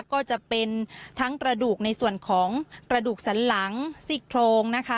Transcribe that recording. ก็จะเป็นทั้งกระดูกในส่วนของกระดูกสันหลังซีกโครงนะคะ